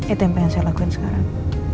itu yang pengen saya lakuin sekarang